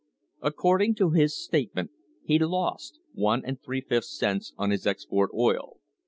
According to his statement he lost one and three fifth cents on his export oil.